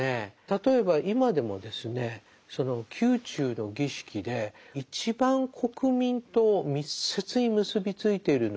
例えば今でもですねその宮中の儀式で一番国民と密接に結び付いているのは歌会始なんですね。